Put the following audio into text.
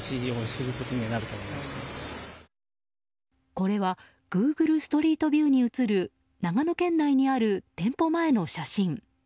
これはグーグルストリートビューに写る長野県内にある店舗前の写真。